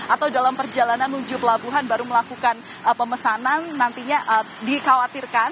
atau dalam perjalanan menuju pelabuhan baru melakukan pemesanan nantinya dikhawatirkan